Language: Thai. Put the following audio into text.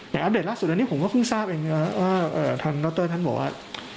อย่างอัปเดตล่าสุดผมก็เพิ่งทราบเองว่าท่านลอร์เตอร์บอกว่า